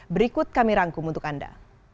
berikut kami rangkum untuk anda